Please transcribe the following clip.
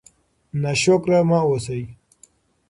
ناشکره مه اوسئ.